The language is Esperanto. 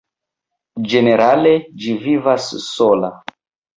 Ĝenerale ĝi vivas sola.